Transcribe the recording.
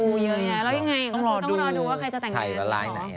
แล้วยังไงก็ต้องรอดูว่าใครจะแต่งงาน